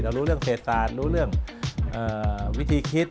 รู้เรื่องเศษศาสตร์รู้เรื่องวิธีคิด